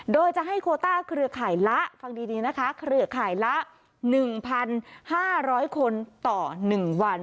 โดยจะให้โควิด๑๙เครือข่ายละ๑๕๐๐คนต่อ๑วัน